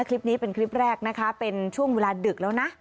คลิปนี้เป็นคลิปแรกนะคะเป็นช่วงเวลาดึกแล้วนะ